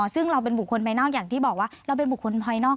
ซึ่งเราเป็นบุคคลภายนอกอย่างที่บอกว่าเราเป็นบุคคลภายนอก